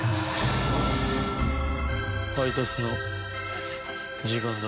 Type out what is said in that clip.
配達の時間だ。